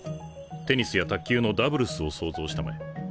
テニスや卓球のダブルスを想像したまえ。